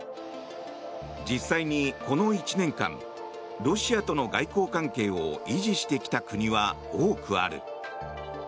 実際に、この１年間ロシアとの外交関係を維持してきた国は多くある。